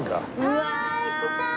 うわあ行きたい！